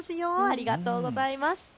ありがとうございます。